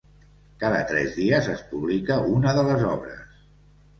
Cada tres dies es publica una de les obres.